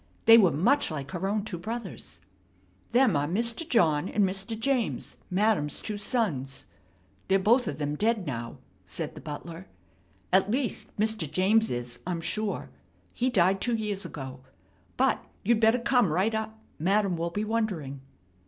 They were much like her own two brothers. "Them are Mr. John and Mr. James, Madam's two sons. They's both of them dead now," said the butler. "At least, Mr. James is, I'm sure. He died two years ago. But you better come right up. Madam will be wondering."